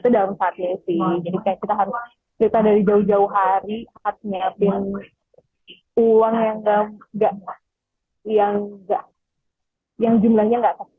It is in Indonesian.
itu dalam saatnya sih jadi kita harus kita dari jauh jauh hari harus nge apping uang yang jumlahnya nggak sosial